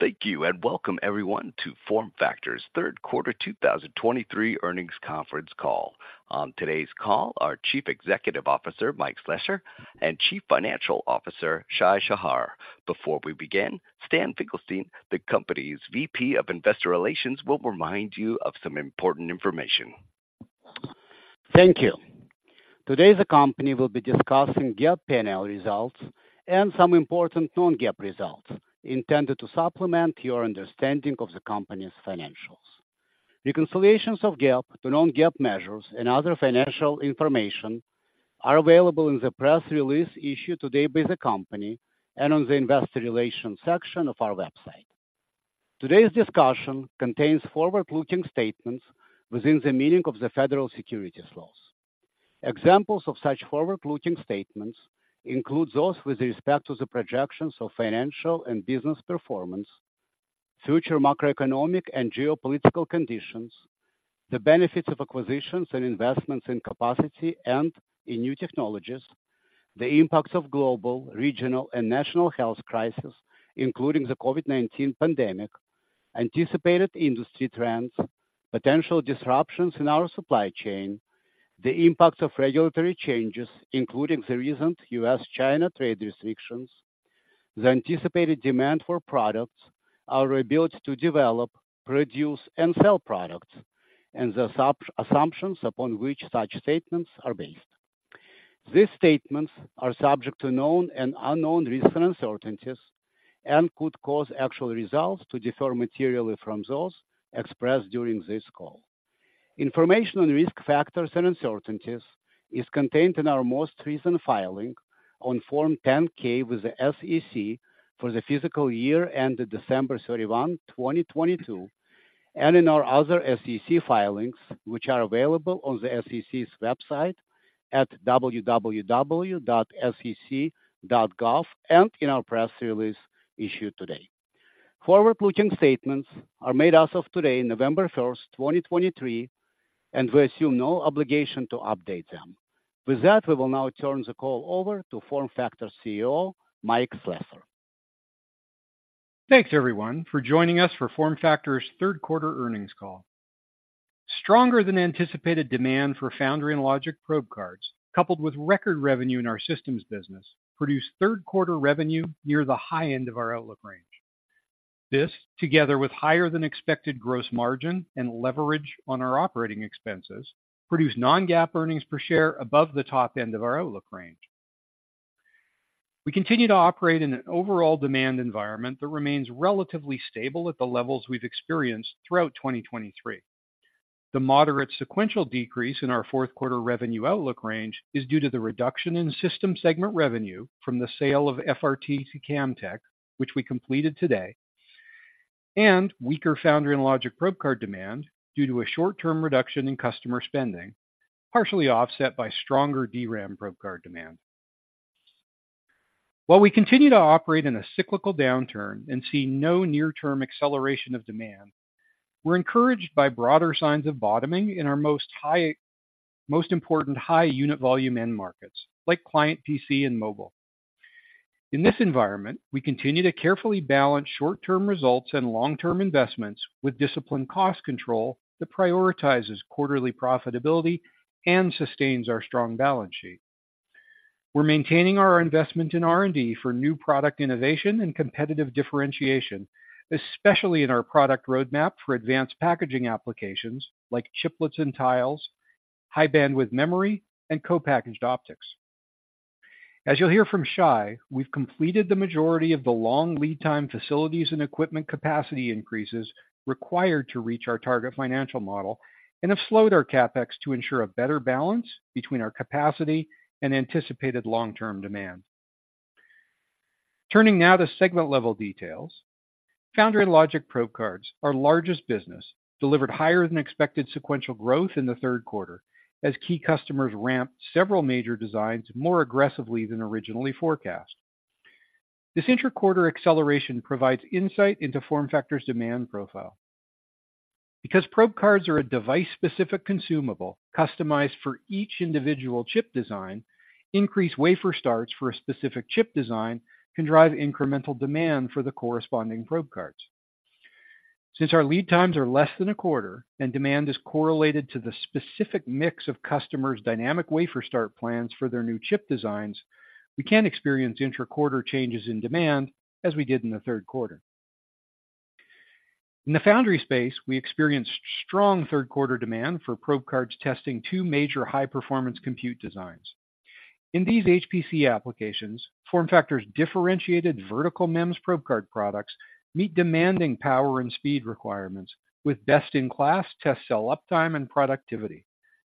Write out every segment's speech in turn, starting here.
Thank you, and welcome everyone to FormFactor's third quarter 2023 earnings conference call. On today's call are Chief Executive Officer Mike Slessor and Chief Financial Officer Shai Shahar. Before we begin, Stan Finkelstein, the company's VP of Investor Relations, will remind you of some important information. Thank you. Today, the company will be discussing GAAP P&L results and some important non-GAAP results intended to supplement your understanding of the company's financials. Reconciliations of GAAP to non-GAAP measures and other financial information are available in the press release issued today by the company and on the investor relations section of our website. Today's discussion contains forward-looking statements within the meaning of the federal securities laws. Examples of such forward-looking statements include those with respect to the projections of financial and business performance, future macroeconomic and geopolitical conditions, the benefits of acquisitions and investments in capacity and in new technologies, the impacts of global, regional, and national health crisis, including the COVID-19 pandemic, anticipated industry trends, potential disruptions in our supply chain, the impact of regulatory changes, including the recent U.S.-China trade restrictions, the anticipated demand for products, our ability to develop, produce, and sell products, and the assumptions upon which such statements are based. These statements are subject to known and unknown risks and uncertainties and could cause actual results to differ materially from those expressed during this call. Information on risk factors and uncertainties is contained in our most recent filing on Form 10-K with the SEC for the fiscal year ended December 31, 2022, and in our other SEC filings, which are available on the SEC's website at www.sec.gov and in our press release issued today. Forward-looking statements are made as of today, November 1, 2023, and we assume no obligation to update them. With that, we will now turn the call over to FormFactor CEO, Mike Slessor. Thanks everyone for joining us for FormFactor's third quarter earnings call. Stronger than anticipated demand for Foundry and Logic probe cards, coupled with record revenue in our systems business, produced third quarter revenue near the high end of our outlook range. This, together with higher than expected gross margin and leverage on our operating expenses, produced Non-GAAP earnings per share above the top end of our outlook range. We continue to operate in an overall demand environment that remains relatively stable at the levels we've experienced throughout 2023. The moderate sequential decrease in our fourth quarter revenue outlook range is due to the reduction in system segment revenue from the sale of FRT to Camtek, which we completed today, and weaker Foundry and Logic probe card demand due to a short-term reduction in customer spending, partially offset by stronger DRAM probe card demand. While we continue to operate in a cyclical downturn and see no near-term acceleration of demand, we're encouraged by broader signs of bottoming in our most important high unit volume end markets, like client PC and mobile. In this environment, we continue to carefully balance short-term results and long-term investments with disciplined cost control that prioritizes quarterly profitability and sustains our strong balance sheet. We're maintaining our investment in R&D for new product innovation and competitive differentiation, especially in our product roadmap for Advanced Packaging applications like chiplets and tiles, High Bandwidth Memory, and Co-packaged optics. As you'll hear from Shai, we've completed the majority of the long lead time facilities and equipment capacity increases required to reach our target financial model and have slowed our CapEx to ensure a better balance between our capacity and anticipated long-term demand. Turning now to segment-level details. Foundry and logic probe cards, our largest business, delivered higher than expected sequential growth in the third quarter as key customers ramped several major designs more aggressively than originally forecast. This inter-quarter acceleration provides insight into FormFactor's demand profile. Because probe cards are a device-specific consumable customized for each individual chip design, increased wafer starts for a specific chip design can drive incremental demand for the corresponding probe cards. Since our lead times are less than a quarter, and demand is correlated to the specific mix of customers' dynamic wafer start plans for their new chip designs, we can experience inter-quarter changes in demand as we did in the third quarter. In the foundry space, we experienced strong third quarter demand for probe cards testing two major high-performance compute designs. In these HPC applications, FormFactor's differentiated vertical MEMS probe card products meet demanding power and speed requirements with best-in-class test cell uptime and productivity,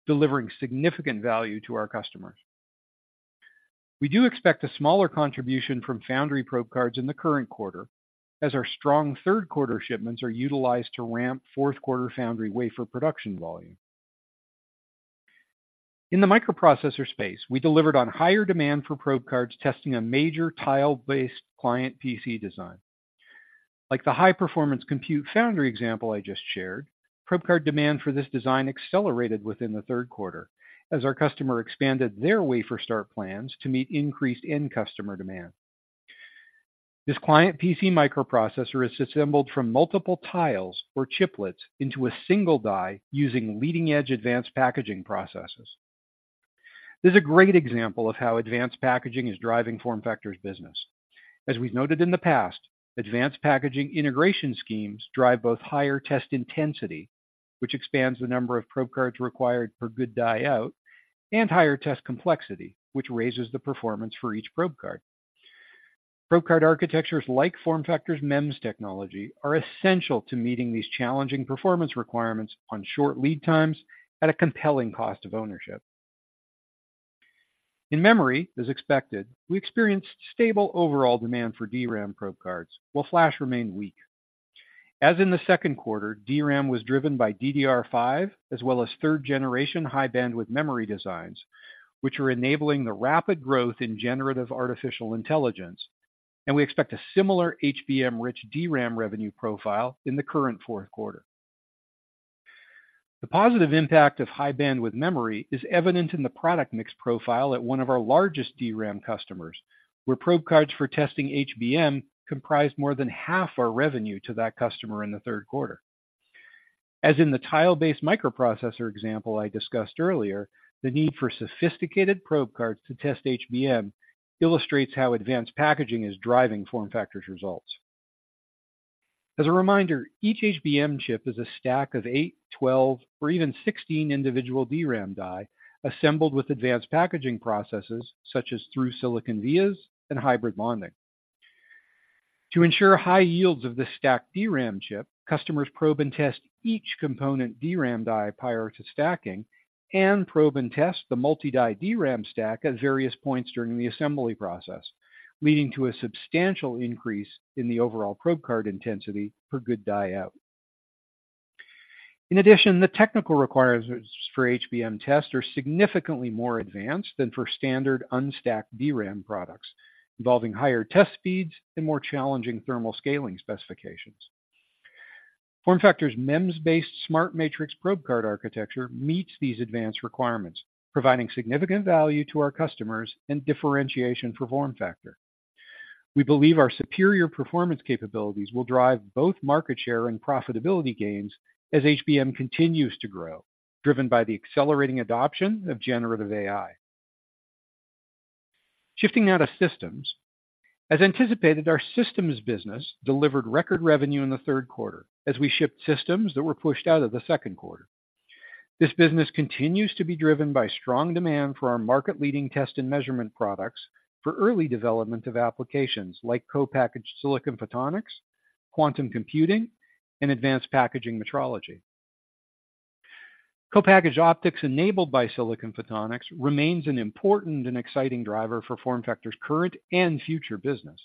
delivering significant value to our customers. We do expect a smaller contribution from foundry probe cards in the current quarter as our strong third quarter shipments are utilized to ramp fourth quarter foundry wafer production volume. In the microprocessor space, we delivered on higher demand for probe cards, testing a major tile-based client PC design. Like the high-performance compute foundry example I just shared. Probe card demand for this design accelerated within the third quarter, as our customer expanded their wafer start plans to meet increased end customer demand. This client PC microprocessor is assembled from multiple tiles or chiplets into a single die using leading-edge advanced packaging processes. This is a great example of how advanced packaging is driving FormFactor's business. As we've noted in the past, advanced packaging integration schemes drive both higher test intensity, which expands the number of probe cards required per good die out, and higher test complexity, which raises the performance for each probe card. Probe card architectures like FormFactor's MEMS technology, are essential to meeting these challenging performance requirements on short lead times at a compelling cost of ownership. In memory, as expected, we experienced stable overall demand for DRAM probe cards, while flash remained weak. As in the second quarter, DRAM was driven by DDR5, as well as third-generation High Bandwidth Memory designs, which are enabling the rapid growth in generative artificial intelligence, and we expect a similar HBM-rich DRAM revenue profile in the current fourth quarter. The positive impact of high-bandwidth memory is evident in the product mix profile at one of our largest DRAM customers, where probe cards for testing HBM comprised more than half our revenue to that customer in the third quarter. As in the tile-based microprocessor example I discussed earlier, the need for sophisticated probe cards to test HBM illustrates how advanced packaging is driving FormFactor's results. As a reminder, each HBM chip is a stack of eight, 12, or even 16 individual DRAM die, assembled with advanced packaging processes such as Through-Silicon Vias and hybrid bonding. To ensure high yields of this stacked DRAM chip, customers probe and test each component DRAM die prior to stacking and probe and test the multi-die DRAM stack at various points during the assembly process, leading to a substantial increase in the overall probe card intensity per good die out. In addition, the technical requirements for HBM test are significantly more advanced than for standard unstacked DRAM products, involving higher test speeds and more challenging thermal scaling specifications. FormFactor's MEMS-based SmartMatrix probe card architecture meets these advanced requirements, providing significant value to our customers and differentiation for FormFactor. We believe our superior performance capabilities will drive both market share and profitability gains as HBM continues to grow, driven by the accelerating adoption of generative AI. Shifting now to systems. As anticipated, our systems business delivered record revenue in the third quarter as we shipped systems that were pushed out of the second quarter. This business continues to be driven by strong demand for our market-leading test and measurement products for early development of applications like co-packaged silicon photonics, quantum computing, and advanced packaging metrology. Co-packaged Optics enabled by Silicon Photonics remains an important and exciting driver for FormFactor's current and future business.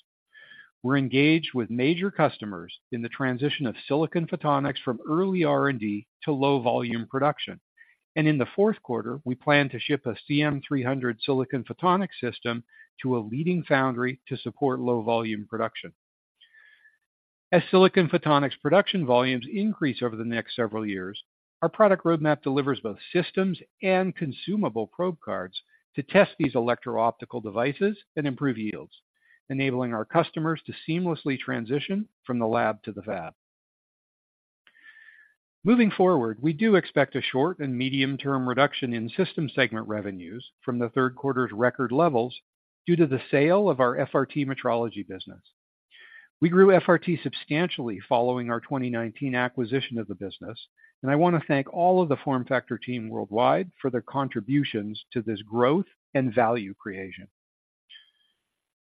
We're engaged with major customers in the transition of Silicon Photonics from early R&D to low-volume production, and in the fourth quarter, we plan to ship a CM300 Silicon Photonics system to a leading foundry to support low-volume production. As Silicon Photonics production volumes increase over the next several years, our product roadmap delivers both systems and consumable probe cards to test these electro-optical devices and improve yields, enabling our customers to seamlessly transition from the lab to the fab. Moving forward, we do expect a short and medium-term reduction in systems segment revenues from the third quarter's record levels due to the sale of our FRT metrology business. We grew FRT substantially following our 2019 acquisition of the business, and I want to thank all of the FormFactor team worldwide for their contributions to this growth and value creation.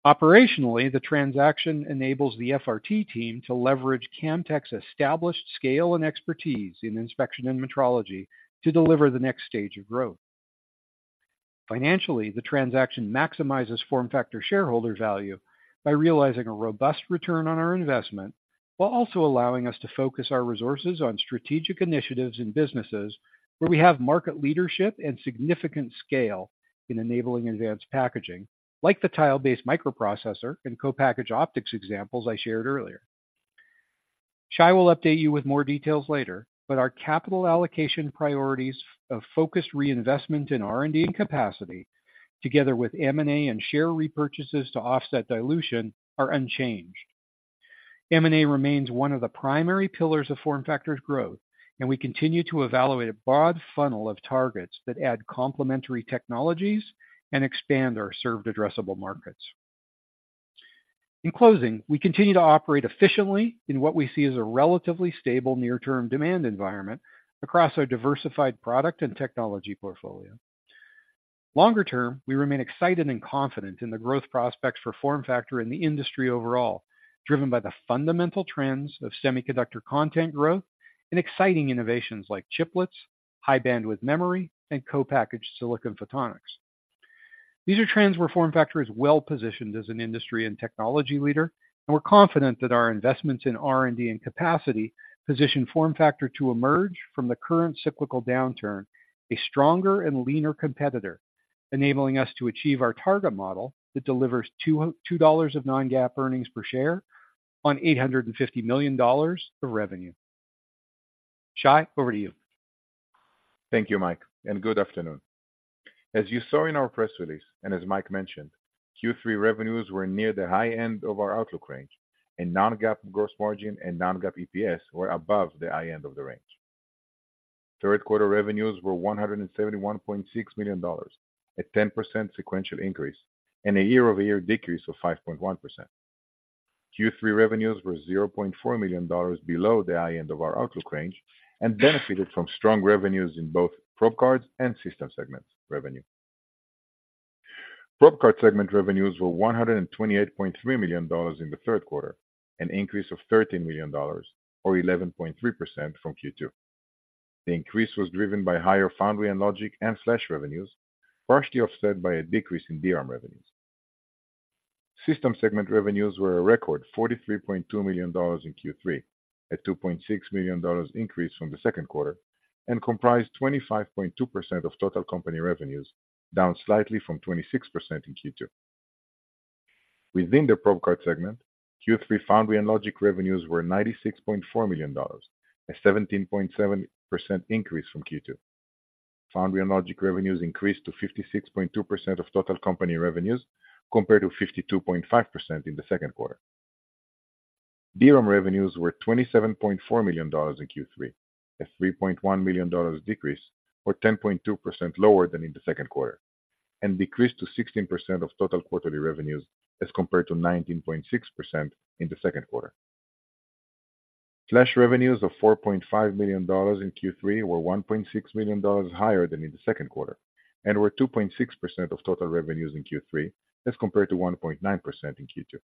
Operationally, the transaction enables the FRT team to leverage Camtek's established scale and expertise in inspection and metrology to deliver the next stage of growth. Financially, the transaction maximizes FormFactor shareholder value by realizing a robust return on our investment, while also allowing us to focus our resources on strategic initiatives and businesses where we have market leadership and significant scale in enabling advanced packaging, like the tile-based microprocessor and co-packaged optics examples I shared earlier. Shai will update you with more details later, but our capital allocation priorities of focused reinvestment in R&D and capacity, together with M&A and share repurchases to offset dilution, are unchanged. M&A remains one of the primary pillars of FormFactor's growth, and we continue to evaluate a broad funnel of targets that add complementary technologies and expand our served addressable markets. In closing, we continue to operate efficiently in what we see as a relatively stable near-term demand environment across our diversified product and technology portfolio. Longer term, we remain excited and confident in the growth prospects for FormFactor and the industry overall, driven by the fundamental trends of semiconductor content growth and exciting innovations like chiplets, High Bandwidth Memory, and Co-packaged silicon photonics. These are trends where FormFactor is well-positioned as an industry and technology leader, and we're confident that our investments in R&D and capacity position FormFactor to emerge from the current cyclical downturn a stronger and leaner competitor.... enabling us to achieve our target model that delivers $2 of non-GAAP earnings per share on $850 million of revenue. Shai, over to you. Thank you, Mike, and good afternoon. As you saw in our press release, and as Mike mentioned, Q3 revenues were near the high end of our outlook range, and non-GAAP gross margin and non-GAAP EPS were above the high end of the range. Third quarter revenues were $171.6 million, a 10% sequential increase and a year-over-year decrease of 5.1%. Q3 revenues were $0.4 million below the high end of our outlook range and benefited from strong revenues in both probe cards and system segments revenue. Probe card segment revenues were $128.3 million in the third quarter, an increase of $13 million or 11.3% from Q2. The increase was driven by higher foundry and logic, and flash revenues, partially offset by a decrease in DRAM revenues. System segment revenues were a record $43.2 million in Q3, a $2.6 million increase from the second quarter, and comprised 25.2% of total company revenues, down slightly from 26% in Q2. Within the probe card segment, Q3 foundry and logic revenues were $96.4 million, a 17.7% increase from Q2. Foundry and logic revenues increased to 56.2% of total company revenues, compared to 52.5% in the second quarter. DRAM revenues were $27.4 million in Q3, a $3.1 million decrease or 10.2% lower than in the second quarter, and decreased to 16% of total quarterly revenues as compared to 19.6% in the second quarter. Flash revenues of $4.5 million in Q3 were $1.6 million higher than in the second quarter and were 2.6% of total revenues in Q3, as compared to 1.9% in Q2.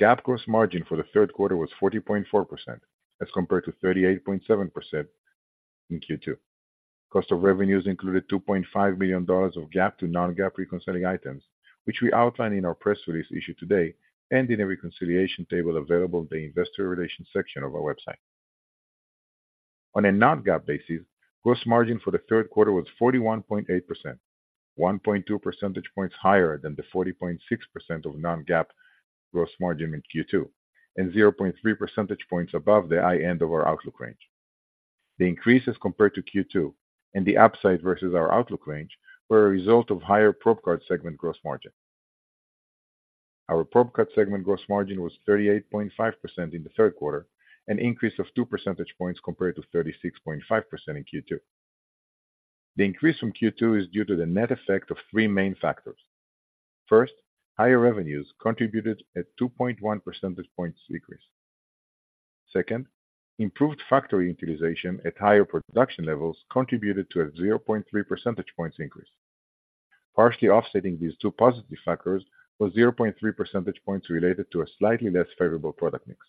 GAAP gross margin for the third quarter was 40.4%, as compared to 38.7% in Q2. Cost of revenues included $2.5 million of GAAP to non-GAAP reconciling items, which we outlined in our press release issued today and in a reconciliation table available in the investor relations section of our website. On a non-GAAP basis, gross margin for the third quarter was 41.8%, 1.2 percentage points higher than the 40.6% of non-GAAP gross margin in Q2, and 0.3 percentage points above the high end of our outlook range. The increases compared to Q2 and the upside versus our outlook range were a result of higher probe card segment gross margin. Our probe card segment gross margin was 38.5% in the third quarter, an increase of 2 percentage points compared to 36.5% in Q2. The increase from Q2 is due to the net effect of three main factors. First, higher revenues contributed at 2.1 percentage points increase. Second, improved factory utilization at higher production levels contributed to a 0.3 percentage points increase. Partially offsetting these two positive factors was 0.3 percentage points related to a slightly less favorable product mix.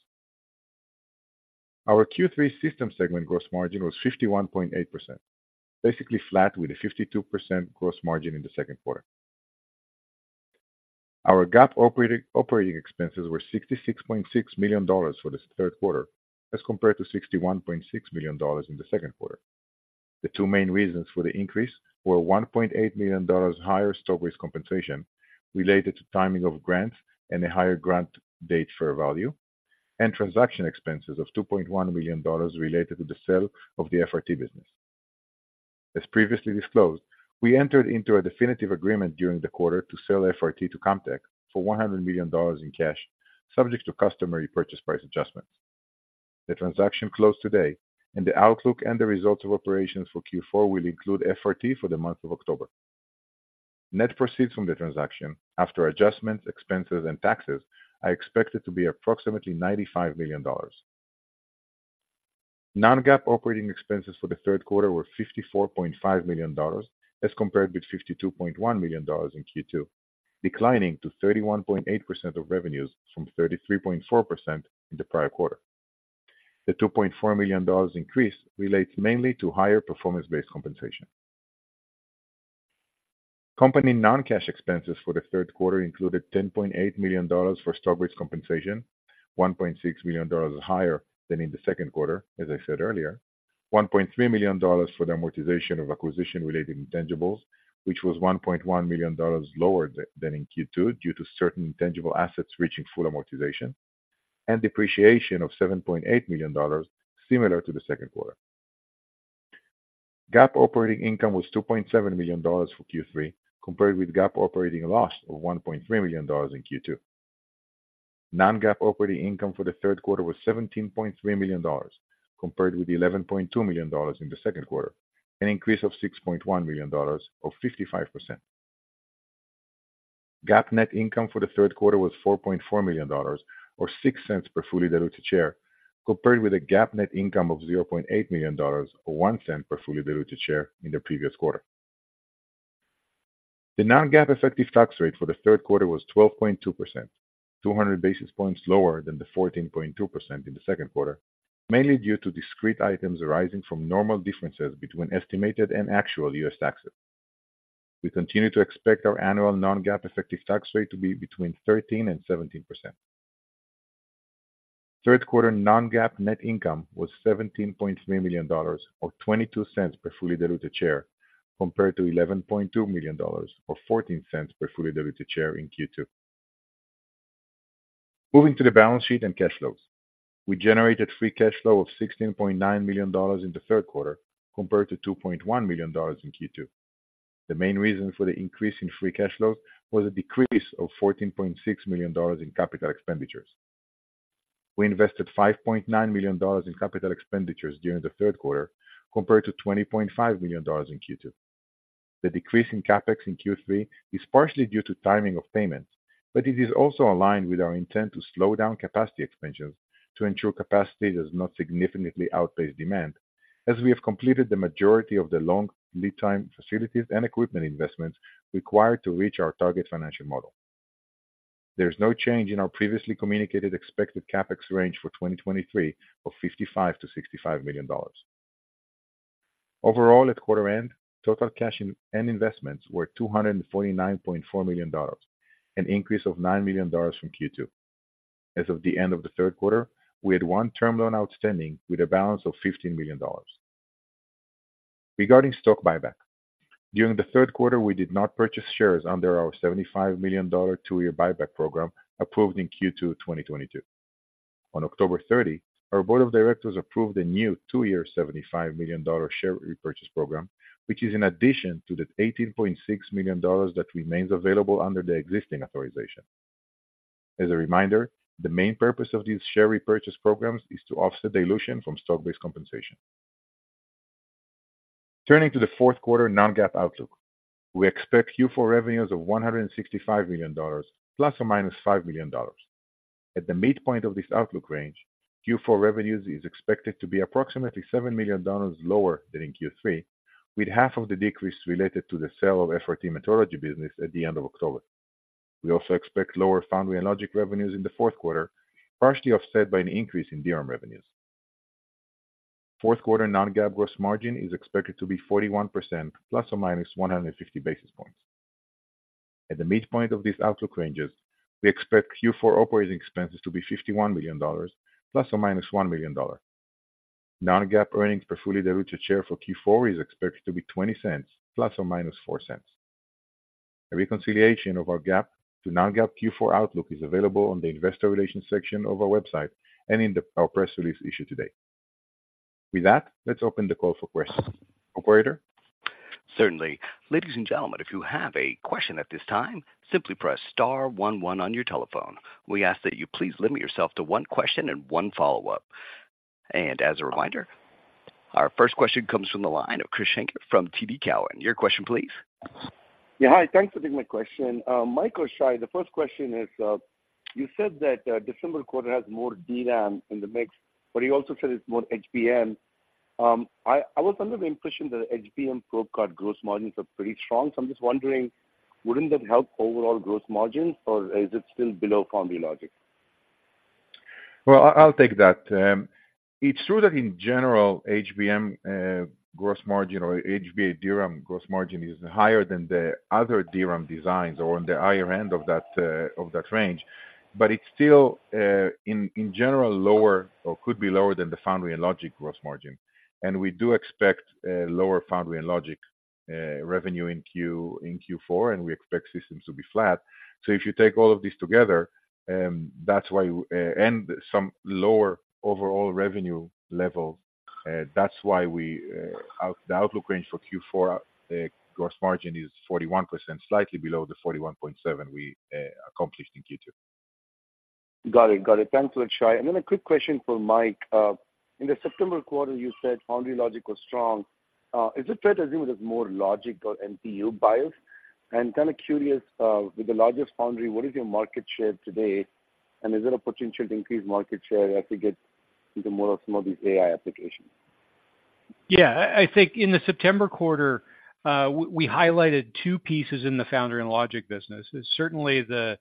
Our Q3 system segment gross margin was 51.8%, basically flat, with a 52% gross margin in the second quarter. Our GAAP operating expenses were $66.6 million for the third quarter, as compared to $61.6 million in the second quarter. The two main reasons for the increase were $1.8 million higher stock-based compensation related to timing of grants and a higher grant date fair value, and transaction expenses of $2.1 million related to the sale of the FRT business. As previously disclosed, we entered into a definitive agreement during the quarter to sell FRT to Camtek for $100 million in cash, subject to customary purchase price adjustments. The transaction closed today, and the outlook and the results of operations for Q4 will include FRT for the month of October. Net proceeds from the transaction after adjustments, expenses, and taxes, are expected to be approximately $95 million. Non-GAAP operating expenses for the third quarter were $54.5 million, as compared with $52.1 million in Q2, declining to 31.8% of revenues from 33.4% in the prior quarter. The $2.4 million increase relates mainly to higher performance-based compensation. Company non-cash expenses for the third quarter included $10.8 million for stock-based compensation, $1.6 million higher than in the second quarter, as I said earlier. $1.3 million for the amortization of acquisition-related intangibles, which was $1.1 million lower than in Q2 due to certain intangible assets reaching full amortization, and depreciation of $7.8 million similar to the second quarter. GAAP operating income was $2.7 million for Q3, compared with GAAP operating loss of $1.3 million in Q2. Non-GAAP operating income for the third quarter was $17.3 million, compared with $11.2 million in the second quarter, an increase of $6.1 million or 55%. GAAP net income for the third quarter was $4.4 million, or $0.06 per fully diluted share, compared with a GAAP net income of $0.8 million, or $0.01 per fully diluted share in the previous quarter. The non-GAAP effective tax rate for the third quarter was 12.2%, 200 basis points lower than the 14.2% in the second quarter, mainly due to discrete items arising from normal differences between estimated and actual U.S. taxes. We continue to expect our annual non-GAAP effective tax rate to be between 13%-17%. Third quarter non-GAAP net income was $17.3 million, or $0.22 per fully diluted share, compared to $11.2 million, or $0.14 per fully diluted share in Q2. Moving to the balance sheet and cash flows. We generated free cash flow of $16.9 million in the third quarter, compared to $2.1 million in Q2. The main reason for the increase in free cash flow was a decrease of $14.6 million in capital expenditures. We invested $5.9 million in capital expenditures during the third quarter, compared to $20.5 million in Q2. The decrease in CapEx in Q3 is partially due to timing of payments, but it is also aligned with our intent to slow down capacity expansions to ensure capacity does not significantly outpace demand, as we have completed the majority of the long lead time facilities and equipment investments required to reach our target financial model. There is no change in our previously communicated expected CapEx range for 2023 of $55 million-$65 million. Overall, at quarter end, total cash and investments were $249.4 million, an increase of $9 million from Q2. As of the end of the third quarter, we had one term loan outstanding with a balance of $15 million. Regarding stock buyback, during the third quarter, we did not purchase shares under our $75 million two-year buyback program approved in Q2 2022. On October 30, our board of directors approved a new two-year $75 million share repurchase program, which is in addition to the $18.6 million that remains available under the existing authorization. As a reminder, the main purpose of these share repurchase programs is to offset dilution from stock-based compensation. Turning to the fourth quarter non-GAAP outlook, we expect Q4 revenues of $165 million ±$5 million. At the midpoint of this outlook range, Q4 revenues is expected to be approximately $7 million lower than in Q3, with half of the decrease related to the sale of FRT Metrology business at the end of October. We also expect lower foundry and logic revenues in the fourth quarter, partially offset by an increase in DRAM revenues. Fourth quarter non-GAAP gross margin is expected to be 41 ±150 basis points. At the midpoint of these outlook ranges, we expect Q4 operating expenses to be $51 million ±$1 million. Non-GAAP earnings per fully diluted share for Q4 is expected to be $0.20 ±$0.04. A reconciliation of our GAAP to non-GAAP Q4 outlook is available on the investor relations section of our website and in the, our press release issued today. With that, let's open the call for questions. Operator? Certainly. Ladies and gentlemen, if you have a question at this time, simply press star one, one on your telephone. We ask that you please limit yourself to one question and one follow-up. As a reminder, our first question comes from the line of Krish Sankar from TD Cowen. Your question, please. Yeah, hi, thanks for taking my question. Mike or Shai, the first question is, you said that December quarter has more DRAM in the mix, but you also said it's more HBM. I was under the impression that HBM probe card gross margins are pretty strong, so I'm just wondering, wouldn't that help overall gross margins, or is it still below foundry logic? Well, I'll take that. It's true that in general, HBM gross margin or HBM DRAM gross margin is higher than the other DRAM designs or on the higher end of that range. But it's still in general lower or could be lower than the foundry and logic gross margin. And we do expect lower foundry and logic revenue in Q4, and we expect systems to be flat. So if you take all of these together, that's why and some lower overall revenue levels, that's why we outlined the outlook range for Q4 gross margin is 41%, slightly below the 41.7% we accomplished in Q2. Got it. Got it. Thanks for that, Shai. And then a quick question for Mike. In the September quarter, you said foundry logic was strong. Is it fair to assume there's more logic or NPU bias? And kind of curious, with the largest foundry, what is your market share today, and is there potential to increase market share as we get into more of some of these AI applications? Yeah. I think in the September quarter, we highlighted two pieces in the foundry and logic business. Certainly the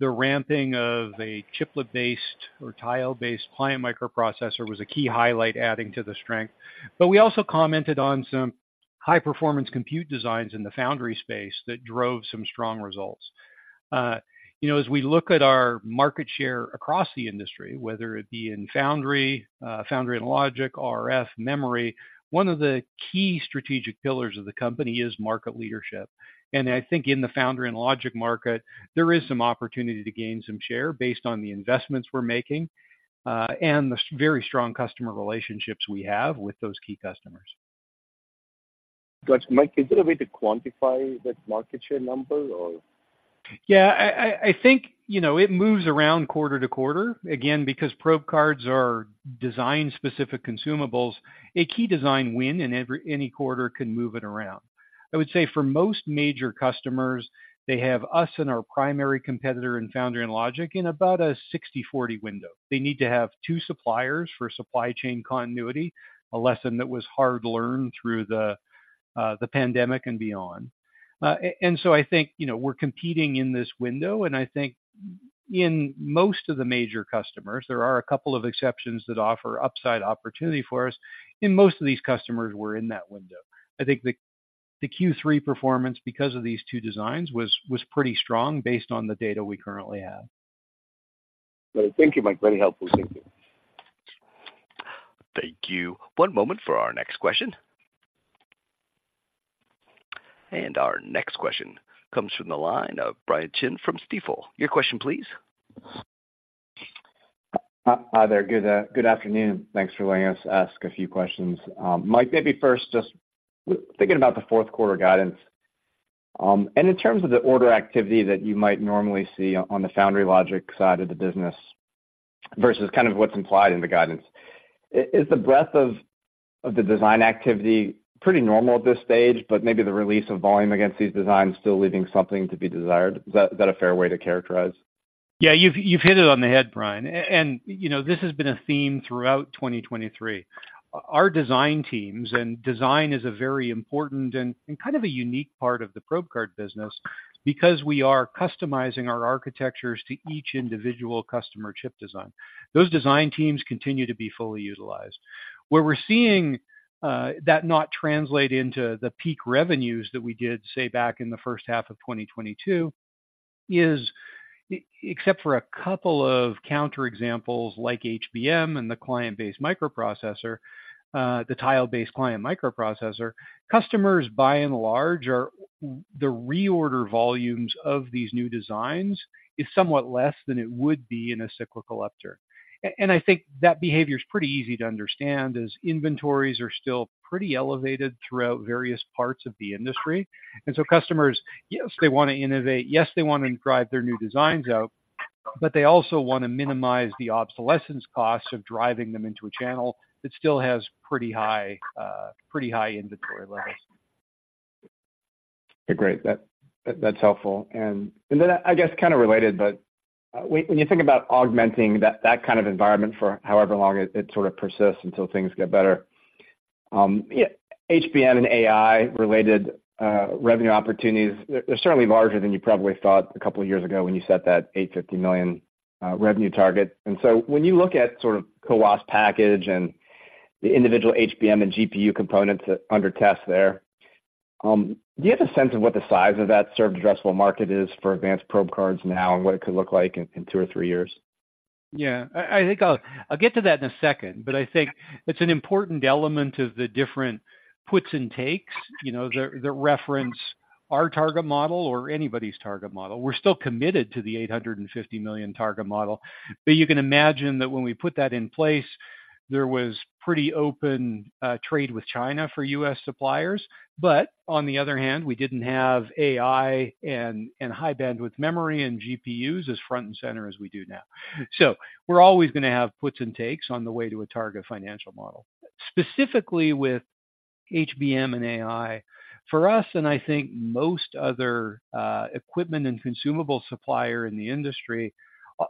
ramping of a chiplet-based or tile-based client microprocessor was a key highlight, adding to the strength. But we also commented on some high-performance compute designs in the foundry space that drove some strong results. You know, as we look at our market share across the industry, whether it be in foundry and logic, RF, memory, one of the key strategic pillars of the company is market leadership. And I think in the foundry and logic market, there is some opportunity to gain some share based on the investments we're making, and the very strong customer relationships we have with those key customers. Got you. Mike, is there a way to quantify that market share number, or? Yeah, I think, you know, it moves around quarter to quarter. Again, because probe cards are design-specific consumables, a key design win in any quarter can move it around. I would say for most major customers, they have us and our primary competitor in foundry and logic in about a 60/40 window. They need to have two suppliers for supply chain continuity, a lesson that was hard learned through the pandemic and beyond. And so I think, you know, we're competing in this window, and I think in most of the major customers, there are a couple of exceptions that offer upside opportunity for us. In most of these customers, we're in that window. I think the Q3 performance, because of these two designs, was pretty strong based on the data we currently have. Well, thank you, Mike. Very helpful. Thank you. Thank you. One moment for our next question. Our next question comes from the line of Brian Chin from Stifel. Your question, please. Hi, there. Good, good afternoon. Thanks for letting us ask a few questions. Mike, maybe first, just thinking about the fourth quarter guidance, and in terms of the order activity that you might normally see on the foundry logic side of the business versus kind of what's implied in the guidance. Is the breadth of the design activity pretty normal at this stage, but maybe the release of volume against these designs still leaving something to be desired? Is that a fair way to characterize? Yeah, you've hit it on the head, Brian. And, you know, this has been a theme throughout 2023. Our design teams, and design is a very important and kind of a unique part of the probe card business because we are customizing our architectures to each individual customer chip design. Those design teams continue to be fully utilized. Where we're seeing that not translate into the peak revenues that we did, say, back in the first half of 2022, is except for a couple of counter examples like HBM and the client-based microprocessor, the tile-based client microprocessor, customers, by and large, are the reorder volumes of these new designs is somewhat less than it would be in a cyclical upturn. And I think that behavior is pretty easy to understand, as inventories are still pretty elevated throughout various parts of the industry. And so customers, yes, they want to innovate, yes, they want to drive their new designs out, but they also want to minimize the obsolescence costs of driving them into a channel that still has pretty high, pretty high inventory levels. Great. That, that's helpful. And then I guess kind of related, but when you think about augmenting that kind of environment for however long it sort of persists until things get better, yeah, HBM and AI-related revenue opportunities are certainly larger than you probably thought a couple of years ago when you set that $850 million revenue target. And so when you look at sort of CoWoS package and the individual HBM and GPU components that under test there, do you have a sense of what the size of that served addressable market is for advanced probe cards now and what it could look like in two or three years? Yeah, I think I'll get to that in a second, but I think it's an important element of the different puts and takes, you know, that reference our target model or anybody's target model. We're still committed to the $850 million target model, but you can imagine that when we put that in place, there was pretty open trade with China for U.S. suppliers. But on the other hand, we didn't have AI and High Bandwidth Memory and GPUs as front and center as we do now. So we're always going to have puts and takes on the way to a target financial model. Specifically with HBM and AI, for us, and I think most other equipment and consumable supplier in the industry,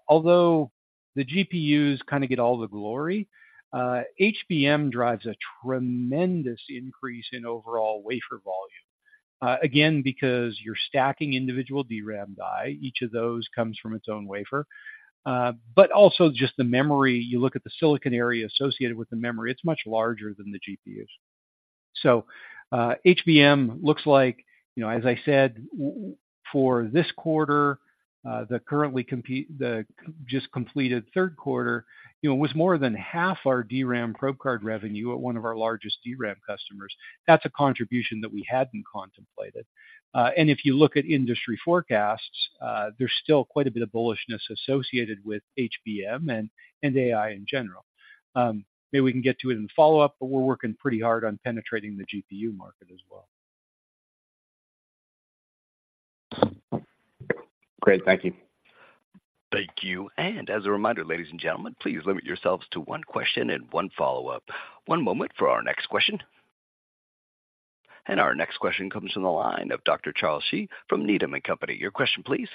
although the GPUs kind of get all the glory, HBM drives a tremendous increase in overall wafer volume. Again, because you're stacking individual DRAM die, each of those comes from its own wafer. But also just the memory. You look at the silicon area associated with the memory, it's much larger than the GPUs. So, HBM looks like, you know, as I said, for this quarter, the just completed third quarter, you know, was more than half our DRAM probe card revenue at one of our largest DRAM customers. That's a contribution that we hadn't contemplated. And if you look at industry forecasts, there's still quite a bit of bullishness associated with HBM and AI in general. Maybe we can get to it in follow-up, but we're working pretty hard on penetrating the GPU market as well. Great. Thank you. Thank you. As a reminder, ladies and gentlemen, please limit yourselves to one question and one follow-up. One moment for our next question. Our next question comes from the line of Dr. Charles Shi from Needham and Company. Your question, please.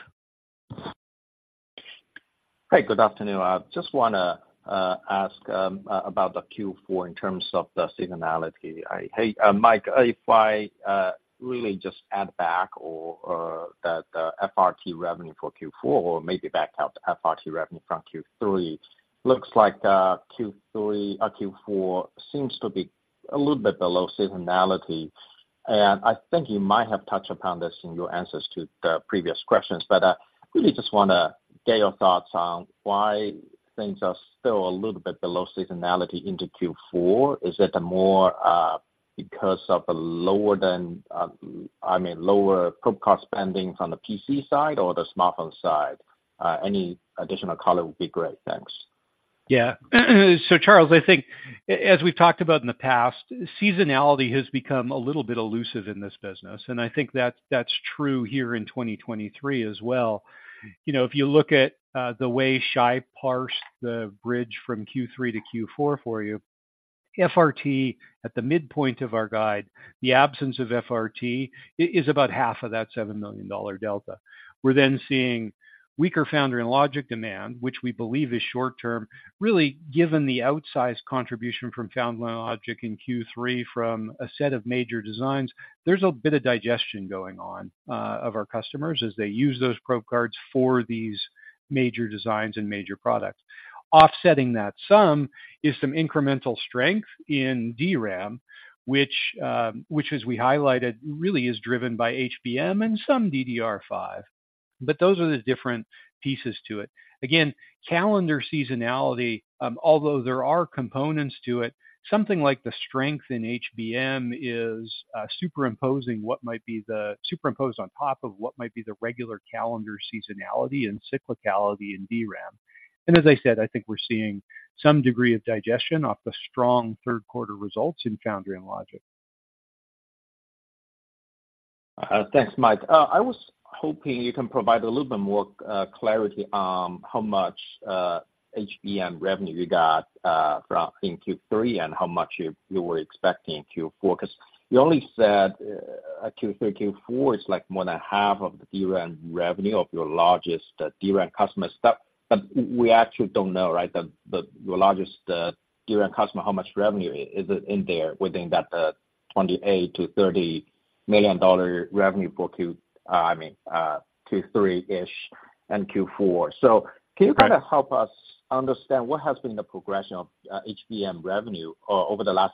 Hi, good afternoon. I just wanna ask about the Q4 in terms of the seasonality. Hey, Mike, if I really just add back or that FRT revenue for Q4 or maybe back out the FRT revenue from Q3, looks like Q3 or Q4 seems to be a little bit below seasonality. And I think you might have touched upon this in your answers to the previous questions, but really just wanna get your thoughts on why things are still a little bit below seasonality into Q4. Is it the more because of the lower than I mean lower probe cost spending from the PC side or the smartphone side? Any additional color would be great. Thanks. Yeah. So Charles, I think as we've talked about in the past, seasonality has become a little bit elusive in this business, and I think that's true here in 2023 as well. You know, if you look at the way Shai parsed the bridge from Q3 to Q4 for you, FRT at the midpoint of our guide, the absence of FRT is about half of that $7 million delta. We're then seeing weaker foundry and logic demand, which we believe is short term, really, given the outsized contribution from foundry and logic in Q3 from a set of major designs, there's a bit of digestion going on of our customers as they use those probe cards for these major designs and major products. Offsetting that sum is some incremental strength in DRAM, which as we highlighted, really is driven by HBM and some DDR5. But those are the different pieces to it. Again, calendar seasonality, although there are components to it, something like the strength in HBM is superimposed on top of what might be the regular calendar seasonality and cyclicality in DRAM. And as I said, I think we're seeing some degree of digestion off the strong third quarter results in Foundry and Logic. Thanks, Mike. I was hoping you can provide a little bit more clarity on how much HBM revenue you got from in Q3 and how much you were expecting in Q4. 'Cause you only said Q3, Q4 is, like, more than half of the DRAM revenue of your largest DRAM customer. But we actually don't know, right, the your largest DRAM customer, how much revenue is in there within that $28 million-$30 million revenue for Q, I mean, Q3-ish and Q4. So can you kind of help us understand what has been the progression of HBM revenue over the last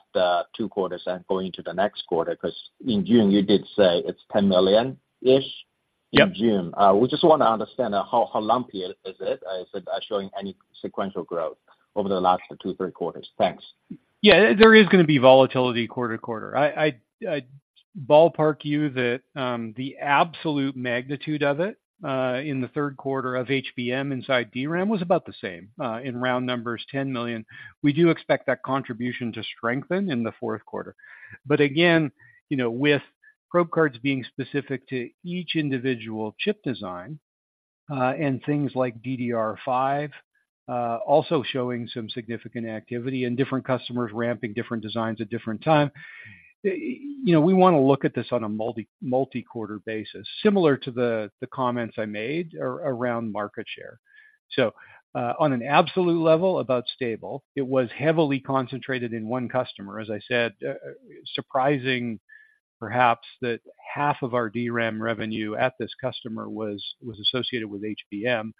two quarters and going into the next quarter? 'Cause in June, you did say it's $10 million-ish- Yep. -in June. We just want to understand how, how lumpy is it, is it showing any sequential growth over the last two, three quarters? Thanks. Yeah, there is gonna be volatility quarter to quarter. I ballpark you that the absolute magnitude of it in the third quarter of HBM inside DRAM was about the same, in round numbers, $10 million. We do expect that contribution to strengthen in the fourth quarter. But again, you know, with probe cards being specific to each individual chip design and things like DDR5 also showing some significant activity and different customers ramping different designs at different time, you know, we want to look at this on a multi-quarter basis, similar to the comments I made around market share. So, on an absolute level, about stable, it was heavily concentrated in one customer. As I said, surprising, perhaps, that half of our DRAM revenue at this customer was associated with HBM.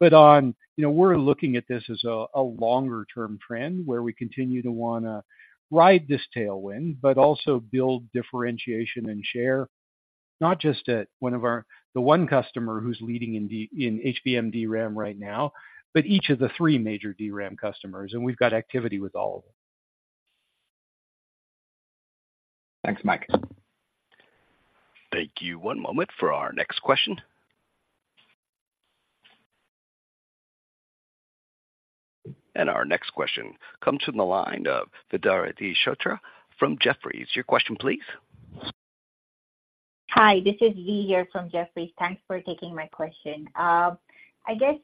But on... You know, we're looking at this as a, a longer-term trend, where we continue to wanna ride this tailwind, but also build differentiation and share, not just at one of our, the one customer who's leading in D- in HBM DRAM right now, but each of the three major DRAM customers, and we've got activity with all of them. Thanks, Mike. Thank you. One moment for our next question. Our next question comes from the line of Vedvati Shrotre from Jefferies. Your question, please. Hi, this is Vi here from Jefferies. Thanks for taking my question. I guess,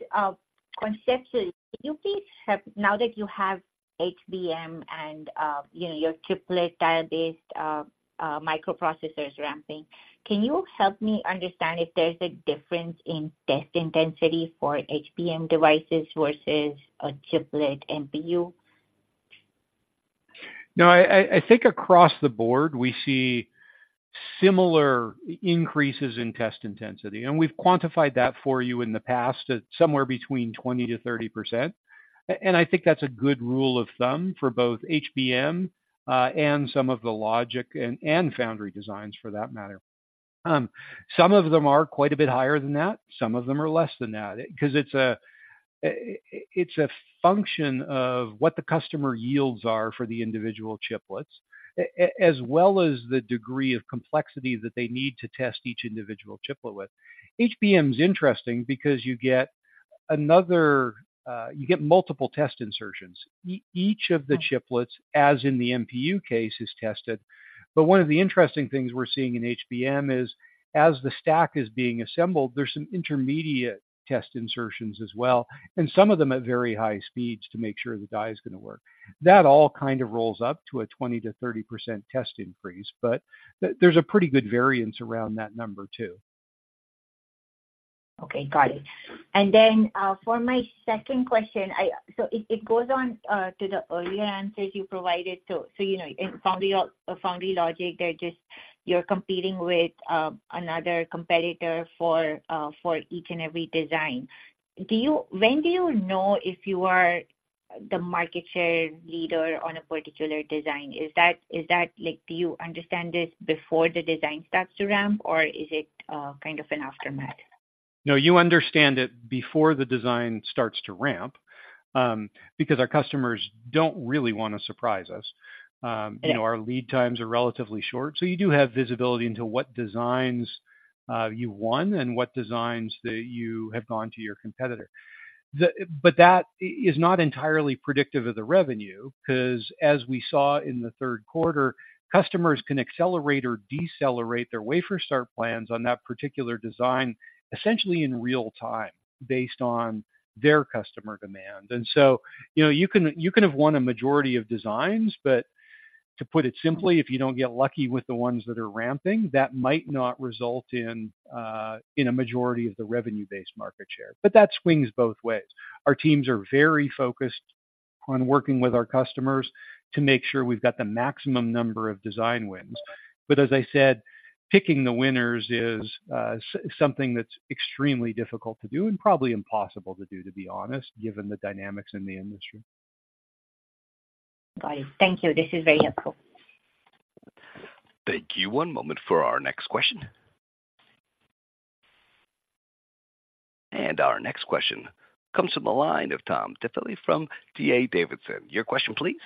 conceptually, can you please help, now that you have HBM and, you know, your triplet tile-based microprocessors ramping, can you help me understand if there's a difference in test intensity for HBM devices versus a chiplet NPU? No, I think across the board, we see similar increases in test intensity, and we've quantified that for you in the past at somewhere between 20%-30%. And I think that's a good rule of thumb for both HBM and some of the logic and foundry designs, for that matter. Some of them are quite a bit higher than that, some of them are less than that, 'cause it's a function of what the customer yields are for the individual chiplets, as well as the degree of complexity that they need to test each individual chiplet with. HBM is interesting because you get multiple test insertions. Each of the chiplets, as in the NPU case, is tested. But one of the interesting things we're seeing in HBM is, as the stack is being assembled, there's some intermediate test insertions as well, and some of them at very high speeds to make sure the die is gonna work. That all kind of rolls up to a 20%-30% test increase, but there, there's a pretty good variance around that number, too. Okay, got it. And then, for my second question. So it goes on to the earlier answers you provided. So, you know, in foundry logic, they're just you're competing with another competitor for each and every design. When do you know if you are the market share leader on a particular design? Is that, like, do you understand this before the design starts to ramp, or is it kind of an aftermath? No, you understand it before the design starts to ramp, because our customers don't really want to surprise us. You know, our lead times are relatively short, so you do have visibility into what designs you won and what designs that you have gone to your competitor. But that is not entirely predictive of the revenue, 'cause as we saw in the third quarter, customers can accelerate or decelerate their wafer start plans on that particular design, essentially in real time, based on their customer demand. And so, you know, you can, you can have won a majority of designs, but to put it simply, if you don't get lucky with the ones that are ramping, that might not result in in a majority of the revenue-based market share. But that swings both ways. Our teams are very focused-... on working with our customers to make sure we've got the maximum number of design wins. But as I said, picking the winners is something that's extremely difficult to do and probably impossible to do, to be honest, given the dynamics in the industry. Got it. Thank you. This is very helpful. Thank you. One moment for our next question. Our next question comes from the line of Tom Diffely from D.A. Davidson. Your question, please.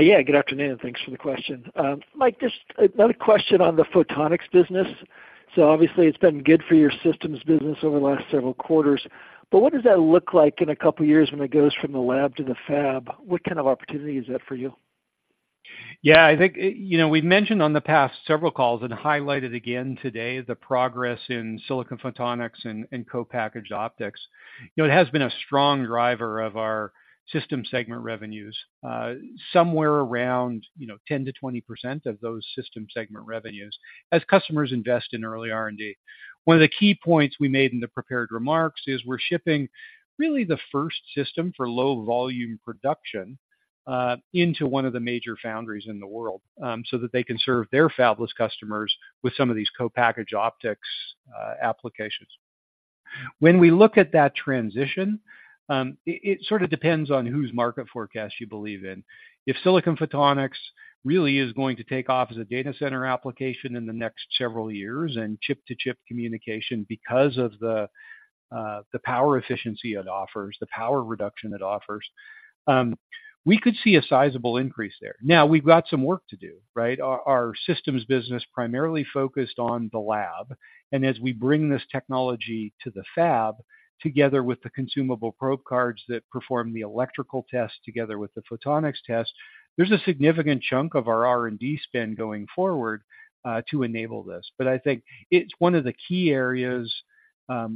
Yeah, good afternoon, and thanks for the question. Mike, just another question on the photonics business. So obviously, it's been good for your systems business over the last several quarters, but what does that look like in a couple of years when it goes from the lab to the fab? What kind of opportunity is that for you? Yeah, I think, you know, we've mentioned on the past several calls and highlighted again today the progress in silicon photonics and co-packaged optics. You know, it has been a strong driver of our system segment revenues, somewhere around, you know, 10%-20% of those system segment revenues as customers invest in early R&D. One of the key points we made in the prepared remarks is we're shipping really the first system for low-volume production into one of the major foundries in the world, so that they can serve their fabless customers with some of these co-packaged optics applications. When we look at that transition, it sort of depends on whose market forecast you believe in. If silicon photonics really is going to take off as a data center application in the next several years, and chip-to-chip communication because of the power efficiency it offers, the power reduction it offers, we could see a sizable increase there. Now, we've got some work to do, right? Our systems business primarily focused on the lab, and as we bring this technology to the fab, together with the consumable probe cards that perform the electrical test together with the photonics test, there's a significant chunk of our R&D spend going forward to enable this. But I think it's one of the key areas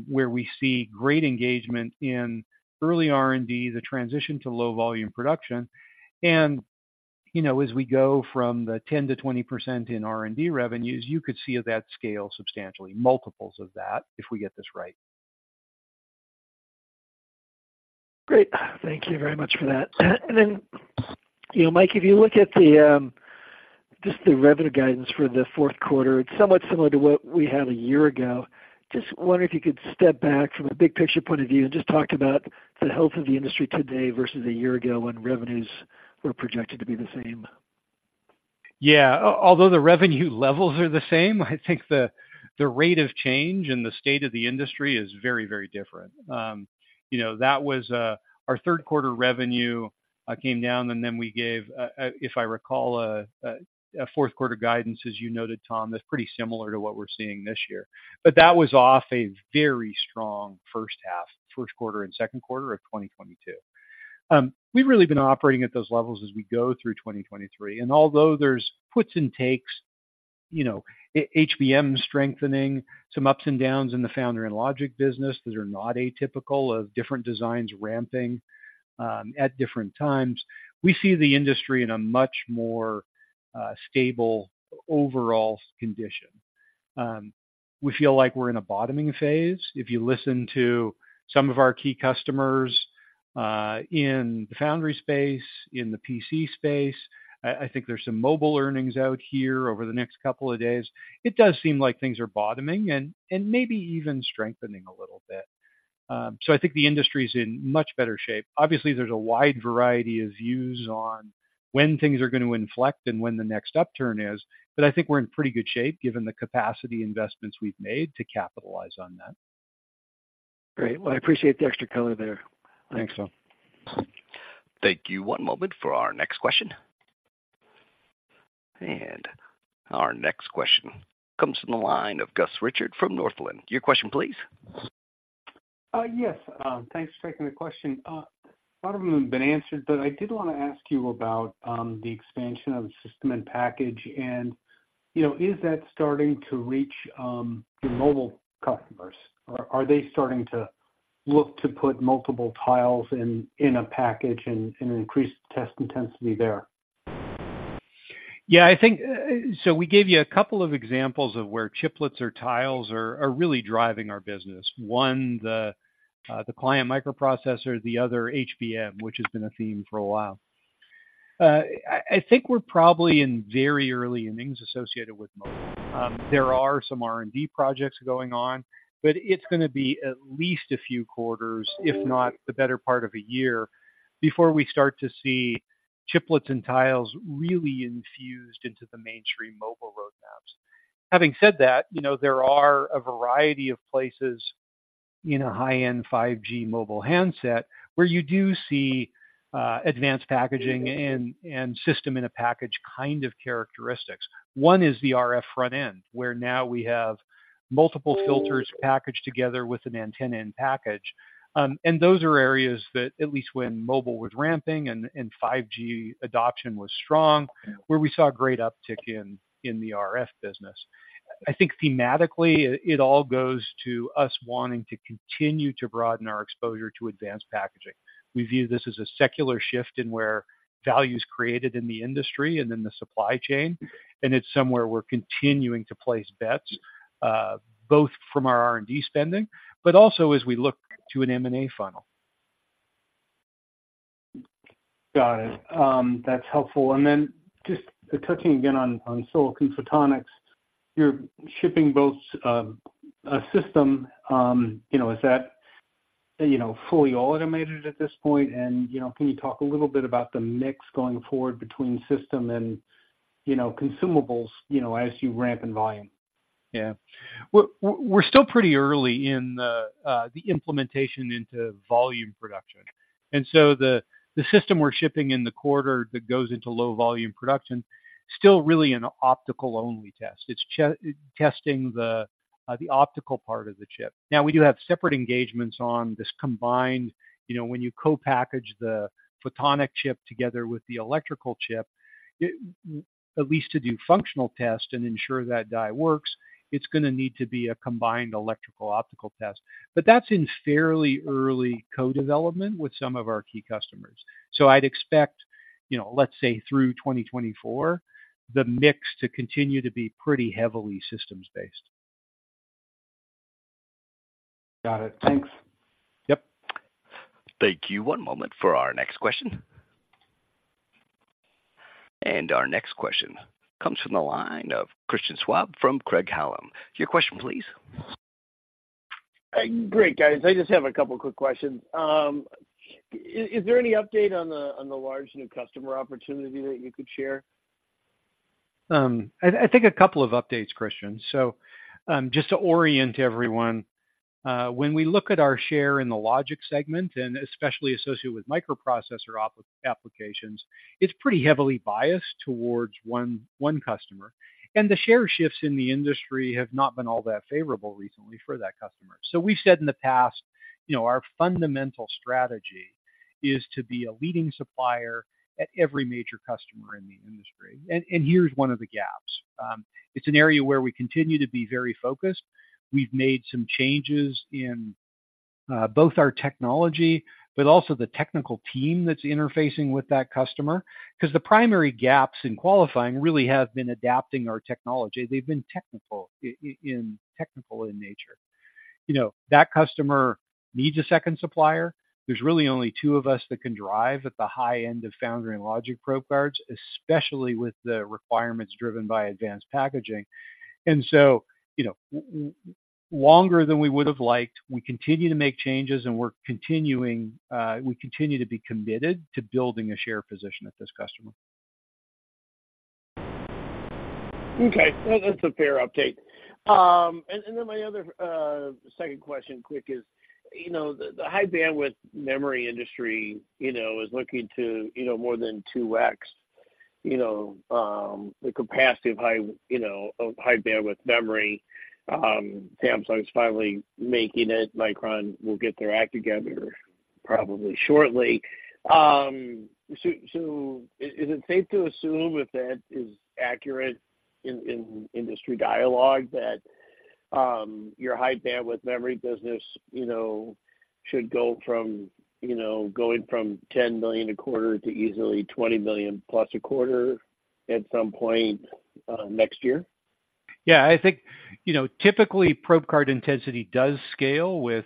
where we see great engagement in early R&D, the transition to low volume production. You know, as we go from 10%-20% in R&D revenues, you could see that scale substantially, multiples of that, if we get this right. Great. Thank you very much for that. And then, you know, Mike, if you look at the just the revenue guidance for the fourth quarter, it's somewhat similar to what we had a year ago. Just wonder if you could step back from a big picture point of view and just talk about the health of the industry today versus a year ago when revenues were projected to be the same. Yeah. Although the revenue levels are the same, I think the rate of change in the state of the industry is very, very different. You know, that was our third quarter revenue came down, and then we gave, if I recall, a fourth quarter guidance, as you noted, Tom, that's pretty similar to what we're seeing this year. But that was off a very strong first half, first quarter and second quarter of 2022. We've really been operating at those levels as we go through 2023, and although there's puts and takes, you know, HBM strengthening, some ups and downs in the foundry and logic business that are not atypical of different designs ramping at different times, we see the industry in a much more stable overall condition. We feel like we're in a bottoming phase. If you listen to some of our key customers, in the foundry space, in the PC space, I think there's some mobile earnings out here over the next couple of days. It does seem like things are bottoming and maybe even strengthening a little bit. So I think the industry is in much better shape. Obviously, there's a wide variety of views on when things are going to inflect and when the next upturn is, but I think we're in pretty good shape given the capacity investments we've made to capitalize on that. Great. Well, I appreciate the extra color there. Thanks, though. Thank you. One moment for our next question. Our next question comes from the line of Gus Richard from Northland. Your question, please. Yes. Thanks for taking the question. A lot of them have been answered, but I did want to ask you about the expansion of the system and package and, you know, is that starting to reach your mobile customers? Or are they starting to look to put multiple tiles in a package and increase test intensity there? Yeah, I think, so we gave you a couple of examples of where chiplets or tiles are really driving our business. One, the client microprocessor, the other HBM, which has been a theme for a while. I think we're probably in very early innings associated with mobile. There are some R&D projects going on, but it's going to be at least a few quarters, if not the better part of a year, before we start to see chiplets and tiles really infused into the mainstream mobile roadmaps. Having said that, you know, there are a variety of places in a high-end 5G mobile handset where you do see advanced packaging and system-in-package kind of characteristics. One is the RF front-end, where now we have multiple filters packaged together with an antenna-in-package. And those are areas that at least when mobile was ramping and 5G adoption was strong, where we saw a great uptick in the RF business. I think thematically it all goes to us wanting to continue to broaden our exposure to Advanced Packaging. We view this as a secular shift in where value is created in the industry and in the supply chain, and it's somewhere we're continuing to place bets, both from our R&D spending, but also as we look to an M&A funnel.... Got it. That's helpful. And then just touching again on Silicon Photonics, you're shipping both a system. You know, is that you know, fully automated at this point? And you know, can you talk a little bit about the mix going forward between system and consumables as you ramp in volume? Yeah. We're still pretty early in the implementation into volume production, and so the system we're shipping in the quarter that goes into low volume production is still really an optical-only test. It's testing the optical part of the chip. Now, we do have separate engagements on this combined. You know, when you co-package the photonic chip together with the electrical chip, it, at least to do functional tests and ensure that die works, it's gonna need to be a combined electrical optical test. But that's in fairly early co-development with some of our key customers. So I'd expect, you know, let's say through 2024, the mix to continue to be pretty heavily systems-based. Got it. Thanks. Yep. Thank you. One moment for our next question. Our next question comes from the line of Christian Schwab from Craig-Hallum. Your question, please. Great, guys. I just have a couple quick questions. Is there any update on the large new customer opportunity that you could share? I think a couple of updates, Christian. So, just to orient everyone, when we look at our share in the logic segment, and especially associated with microprocessor applications, it's pretty heavily biased towards one customer, and the share shifts in the industry have not been all that favorable recently for that customer. So we've said in the past, you know, our fundamental strategy is to be a leading supplier at every major customer in the industry. And here's one of the gaps. It's an area where we continue to be very focused. We've made some changes in both our technology, but also the technical team that's interfacing with that customer, because the primary gaps in qualifying really have been adapting our technology. They've been technical in nature. You know, that customer needs a second supplier. There's really only two of us that can drive at the high-end of foundry and logic probe cards, especially with the requirements driven by advanced packaging. And so, you know, longer than we would have liked, we continue to make changes, and we're continuing, we continue to be committed to building a share position at this customer. Okay, that's a fair update. And then my other second question quick is, you know, the High Bandwidth Memory industry, you know, is looking to, you know, more than 2x. You know, the capacity of high, you know, of High Bandwidth Memory, Samsung's finally making it. Micron will get their act together probably shortly. So, is it safe to assume, if that is accurate in industry dialogue, that, your High Bandwidth Memory business, you know, should go from, you know, going from $10 million a quarter to easily $20 million plus a quarter at some point, next year? Yeah, I think, you know, typically, probe card intensity does scale with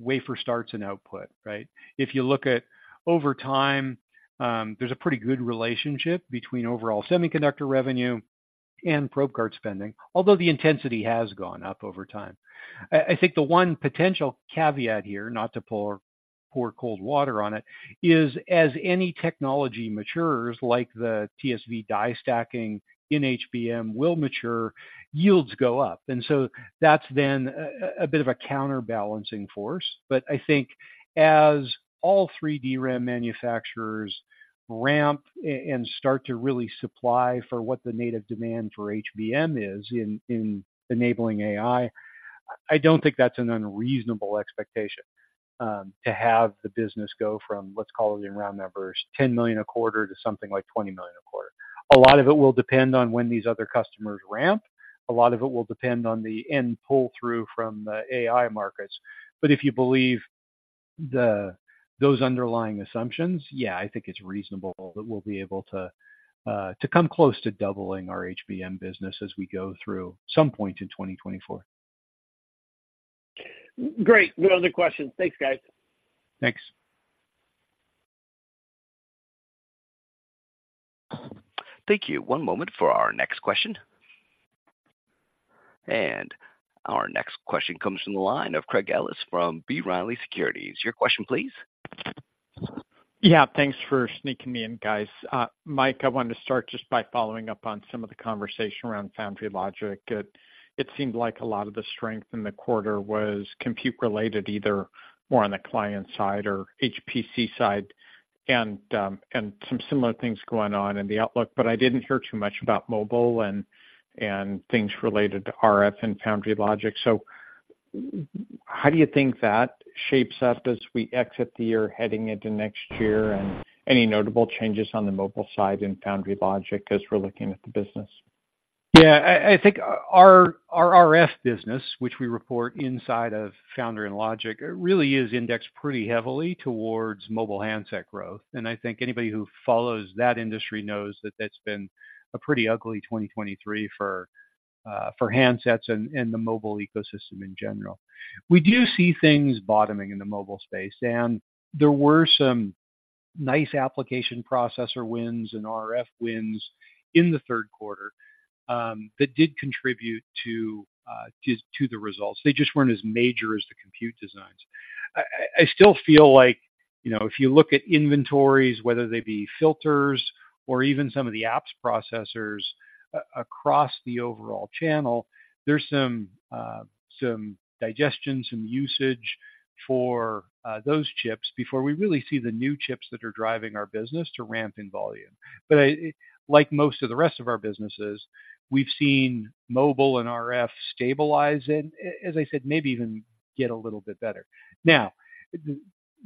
wafer starts and output, right? If you look at over time, there's a pretty good relationship between overall semiconductor revenue and probe card spending, although the intensity has gone up over time. I think the one potential caveat here, not to pour cold water on it, is as any technology matures, like the TSV die stacking in HBM will mature, yields go up. And so that's then a bit of a counterbalancing force. But I think as all 3D RAM manufacturers ramp and start to really supply for what the native demand for HBM is in enabling AI, I don't think that's an unreasonable expectation, to have the business go from, let's call it in round numbers, $10 million a quarter to something like $20 million a quarter. A lot of it will depend on when these other customers ramp. A lot of it will depend on the end pull-through from the AI markets. But if you believe the, those underlying assumptions, yeah, I think it's reasonable that we'll be able to, to come close to doubling our HBM business as we go through some point in 2024. Great. No other questions. Thanks, guys. Thanks. Thank you. One moment for our next question. Our next question comes from the line of Craig Ellis from B. Riley Securities. Your question, please. Yeah, thanks for sneaking me in, guys. Mike, I wanted to start just by following up on some of the conversation around Foundry Logic. It seemed like a lot of the strength in the quarter was compute-related, either more on the client side or HPC side, and some similar things going on in the outlook, but I didn't hear too much about mobile and things related to RF and Foundry Logic. So how do you think that shapes up as we exit the year, heading into next year? And any notable changes on the mobile side in Foundry Logic as we're looking at the business? Yeah, I think our RF business, which we report inside of Foundry and Logic, it really is indexed pretty heavily towards mobile handset growth. And I think anybody who follows that industry knows that that's been a pretty ugly 2023 for handsets and the mobile ecosystem in general. We do see things bottoming in the mobile space, and there were some nice application processor wins and RF wins in the third quarter, that did contribute to the results. They just weren't as major as the compute designs. I still feel like, you know, if you look at inventories, whether they be filters or even some of the apps processors across the overall channel, there's some digestion, some usage for those chips before we really see the new chips that are driving our business to ramp in volume. But like most of the rest of our businesses, we've seen mobile and RF stabilize, and as I said, maybe even get a little bit better. Now,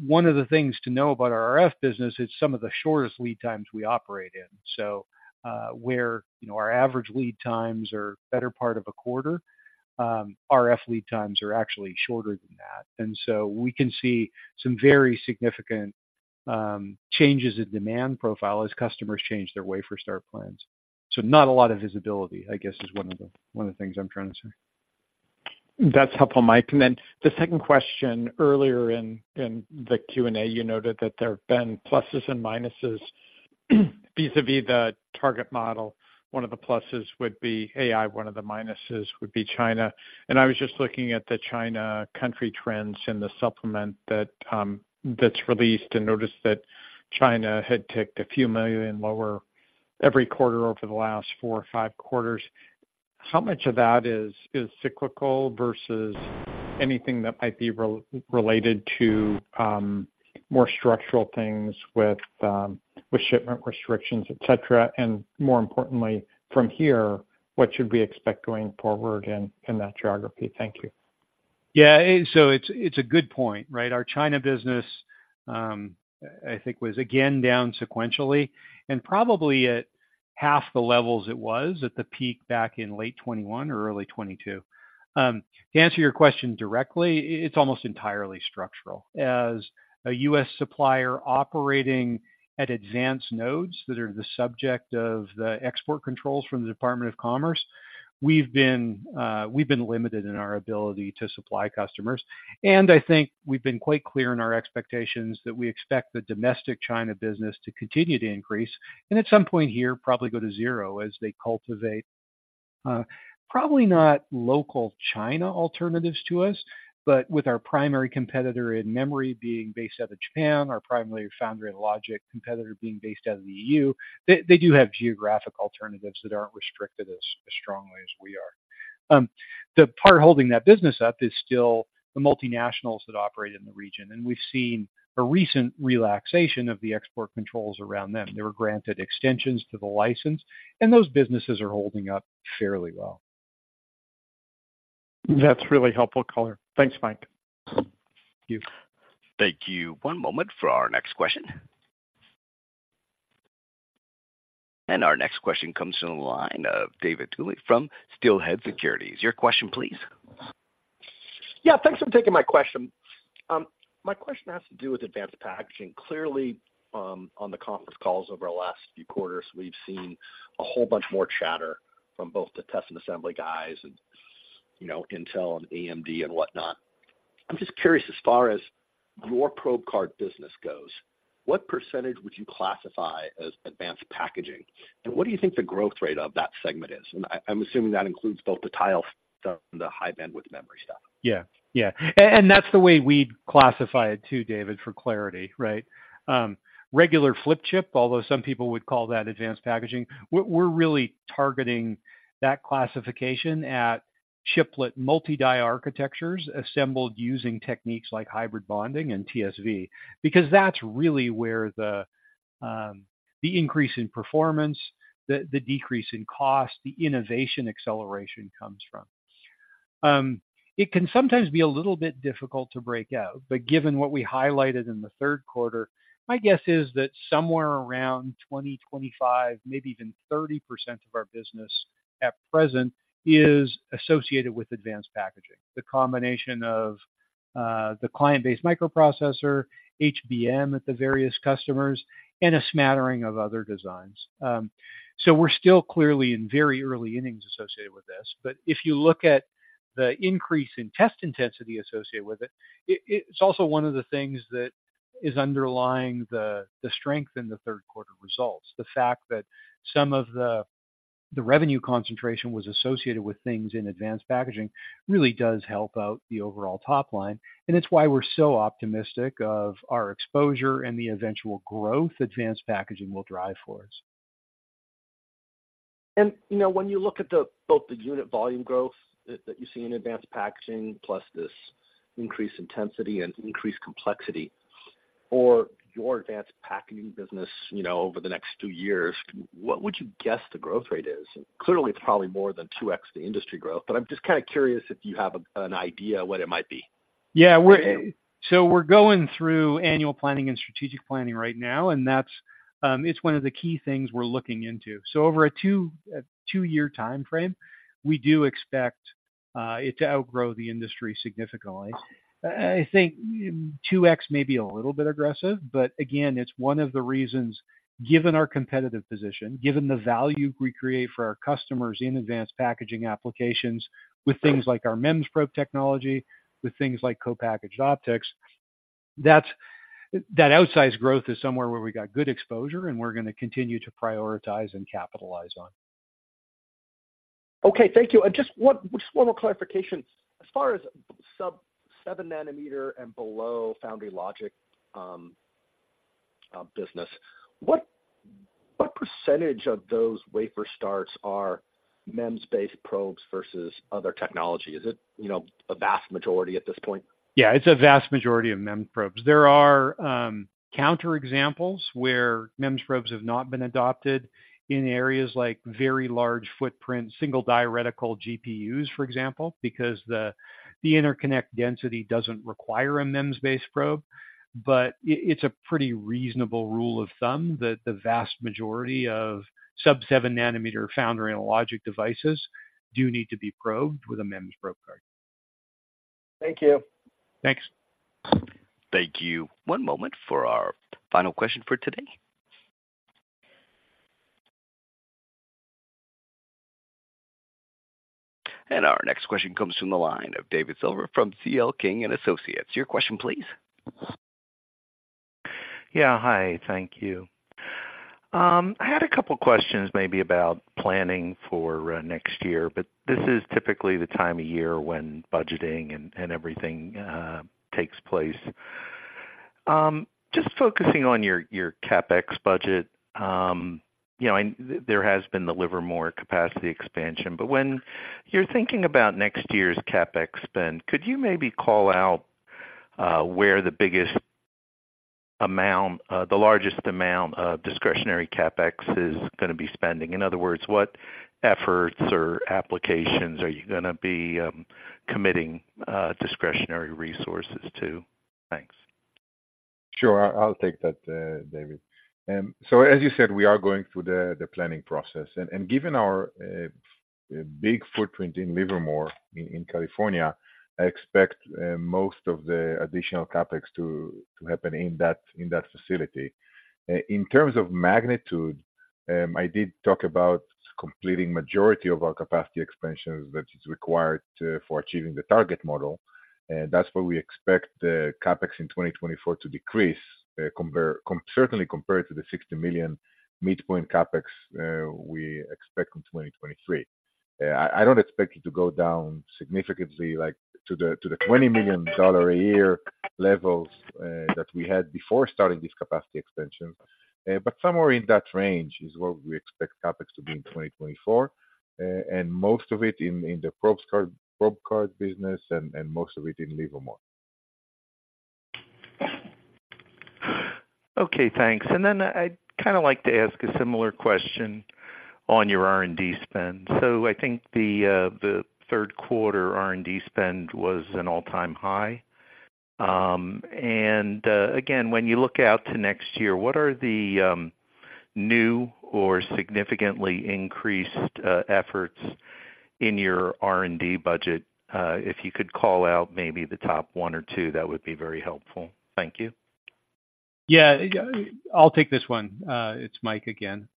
one of the things to know about our RF business is some of the shortest lead times we operate in. So, where, you know, our average lead times are better part of a quarter, RF lead times are actually shorter than that. And so we can see some very significant changes in demand profile as customers change their wafer start plans. Not a lot of visibility, I guess, is one of the, one of the things I'm trying to say. That's helpful, Mike. And then the second question, earlier in the Q&A, you noted that there have been pluses and minuses, vis-a-vis the target model. One of the pluses would be AI, one of the minuses would be China. And I was just looking at the China country trends in the supplement that's released, and noticed that China had ticked a few million lower every quarter over the last four or five quarters. How much of that is cyclical versus anything that might be related to more structural things with shipment restrictions, et cetera? And more importantly, from here, what should we expect going forward in that geography? Thank you. Yeah, so it's a good point, right? Our China business, I think was again down sequentially, and probably at half the levels it was at the peak back in late 2021 or early 2022. To answer your question directly, it's almost entirely structural. As a U.S. supplier operating at advanced nodes that are the subject of the export controls from the Department of Commerce, we've been, we've been limited in our ability to supply customers, and I think we've been quite clear in our expectations that we expect the domestic China business to continue to increase, and at some point here, probably go to zero as they cultivate, probably not local China alternatives to us, but with our primary competitor in memory being based out of Japan, our primary foundry logic competitor being based out of the E.U., they, they do have geographic alternatives that aren't restricted as, as strongly as we are. The part holding that business up is still the multinationals that operate in the region, and we've seen a recent relaxation of the export controls around them. They were granted extensions to the license, and those businesses are holding up fairly well. That's really helpful color. Thanks, Mike. Thank you. Thank you. One moment for our next question. Our next question comes from the line of David Duley from Steelhead Securities. Your question, please. Yeah, thanks for taking my question. My question has to do with Advanced Packaging. Clearly, on the conference calls over the last few quarters, we've seen a whole bunch more chatter from both the test and assembly guys and, you know, Intel and AMD and whatnot. I'm just curious, as far as your Probe Card business goes, what percentage would you classify as Advanced Packaging? And what do you think the growth rate of that segment is? And I, I'm assuming that includes both the tile and the High Bandwidth Memory stuff. Yeah. Yeah. And that's the way we'd classify it too, David, for clarity, right? Regular flip chip, although some people would call that advanced packaging, we're really targeting that classification at chiplet multi-die architectures assembled using techniques like hybrid bonding and TSV, because that's really where the increase in performance, the decrease in cost, the innovation acceleration comes from. It can sometimes be a little bit difficult to break out, but given what we highlighted in the third quarter, my guess is that somewhere around 20%-25%, maybe even 30% of our business at present is associated with advanced packaging. The combination of the client-based microprocessor, HBM at the various customers, and a smattering of other designs. So we're still clearly in very early innings associated with this, but if you look at the increase in test intensity associated with it, it's also one of the things that is underlying the strength in the third quarter results. The fact that some of the revenue concentration was associated with things in Advanced Packaging really does help out the overall top line, and it's why we're so optimistic of our exposure and the eventual growth Advanced Packaging will drive for us. You know, when you look at both the unit volume growth that you see in advanced packaging, plus this increased intensity and increased complexity for your advanced packaging business, you know, over the next two years, what would you guess the growth rate is? Clearly, it's probably more than 2x the industry growth, but I'm just kind of curious if you have an idea what it might be. Yeah, we're so we're going through annual planning and strategic planning right now, and that's, it's one of the key things we're looking into. So over a two-year timeframe, we do expect it to outgrow the industry significantly. I, I think 2x may be a little bit aggressive, but again, it's one of the reasons, given our competitive position, given the value we create for our customers in Advanced Packaging applications, with things like our MEMS probe technology, with things like Co-packaged Optics, that's, that outsized growth is somewhere where we got good exposure, and we're going to continue to prioritize and capitalize on. Okay, thank you. And just one, just one more clarification. As far as sub-7 nanometer and below foundry logic business, what, what percentage of those wafer starts are MEMS-based probes versus other technology? Is it, you know, a vast majority at this point? Yeah, it's a vast majority of MEMS probes. There are counter examples where MEMS probes have not been adopted in areas like very large footprint, single-die reticle GPUs, for example, because the interconnect density doesn't require a MEMS-based probe. But it's a pretty reasonable rule of thumb that the vast majority of sub-7 nanometer foundry logic devices do need to be probed with a MEMS probe card. Thank you. Thanks. Thank you. One moment for our final question for today. Our next question comes from the line of David Silver from CL King & Associates. Your question, please. Yeah. Hi, thank you. I had a couple of questions maybe about planning for next year, but this is typically the time of year when budgeting and everything takes place. Just focusing on your CapEx budget, you know, and there has been the Livermore capacity expansion, but when you're thinking about next year's CapEx spend, could you maybe call out where the biggest amount, the largest amount of discretionary CapEx is gonna be spending? In other words, what efforts or applications are you gonna be committing discretionary resources to? Thanks. Sure. I'll take that, David. So as you said, we are going through the planning process. Given our big footprint in Livermore, in California, I expect most of the additional CapEx to happen in that facility. In terms of magnitude, I did talk about completing majority of our capacity expansions that is required for achieving the target model, and that's where we expect the CapEx in 2024 to decrease, certainly compared to the $60 million midpoint CapEx we expect in 2023. I don't expect it to go down significantly, like, to the $20 million a year levels that we had before starting this capacity expansion. But somewhere in that range is what we expect CapEx to be in 2024, and most of it in the probe card business and most of it in Livermore. Okay, thanks. And then I'd kind of like to ask a similar question on your R&D spend. So I think the third quarter R&D spend was an all-time high. And again, when you look out to next year, what are the new or significantly increased efforts in your R&D budget? If you could call out maybe the top one or two, that would be very helpful. Thank you. Yeah, I'll take this one. It's Mike again.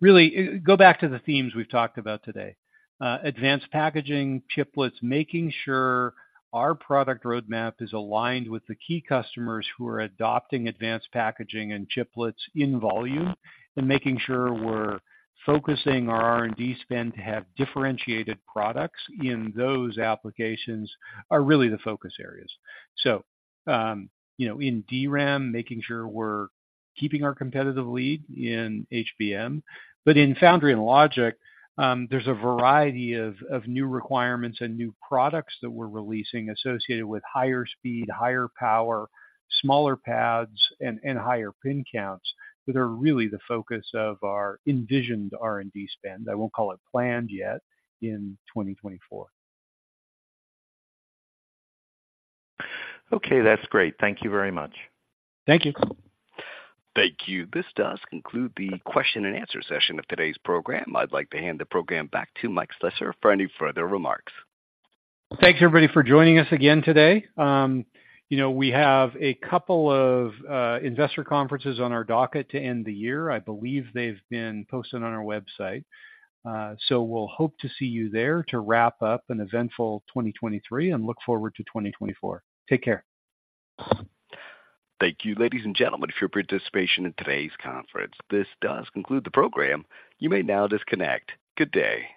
Really, go back to the themes we've talked about today. Advanced packaging, chiplets, making sure our product roadmap is aligned with the key customers who are adopting advanced packaging and chiplets in volume, and making sure we're focusing our R&D spend to have differentiated products in those applications are really the focus areas. So, you know, in DRAM, making sure we're keeping our competitive lead in HBM, but in foundry and logic, there's a variety of new requirements and new products that we're releasing associated with higher speed, higher power, smaller pads, and higher pin counts that are really the focus of our envisioned R&D spend, I won't call it planned yet, in 2024. Okay, that's great. Thank you very much. Thank you. Thank you. This does conclude the question and answer session of today's program. I'd like to hand the program back to Mike Slessor for any further remarks. Thanks, everybody, for joining us again today. You know, we have a couple of investor conferences on our docket to end the year. I believe they've been posted on our website. So we'll hope to see you there to wrap up an eventful 2023 and look forward to 2024. Take care. Thank you, ladies and gentlemen, for your participation in today's conference. This does conclude the program. You may now disconnect. Good day.